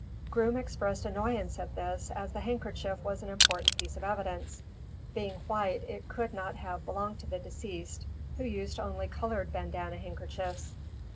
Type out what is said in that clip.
Groom expressed annoyance at this, as the handkerchief was an important piece of evidence. Being white it could not have belonged to the deceased, who used only colored bandana handkerchiefs.